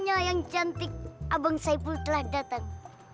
anya yang cantik abang saiful telah datang